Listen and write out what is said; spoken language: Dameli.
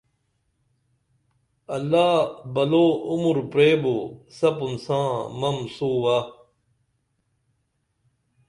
اللہ بلو عمر پریبو سپُن ساں مم سووہ